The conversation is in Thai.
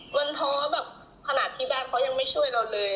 มันเพราะว่าขนาดที่แบบเขายังไม่ช่วยเราเลย